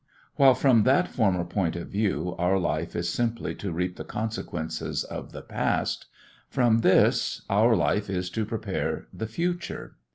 While from that former point of view our life is simply to reap the consequences of the past, from this our life is to prepare the future.